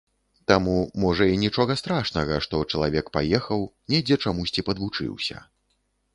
Таму, можа, і нічога страшнага, што чалавек паехаў, недзе чамусьці падвучыўся.